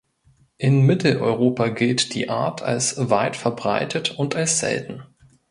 In Mitteleuropa gilt die Art als weit verbreitet und als selten.